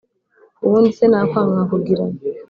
ubundi se nakwanga nkakugira nte